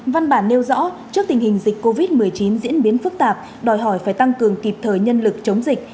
văn bản nêu rõ trước tình hình dịch covid một mươi chín diễn biến phức tạp đòi hỏi phải tăng cường kịp thời nhân lực chống dịch